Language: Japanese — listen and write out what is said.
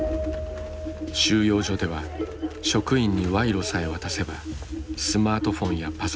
収容所では職員に賄賂さえ渡せばスマートフォンやパソコンの使用は自由。